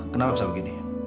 kenapa bisa begini